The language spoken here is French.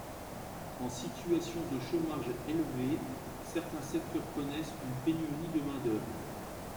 En situation de chômage élevé, certains secteurs connaissent une pénurie de main d’œuvre.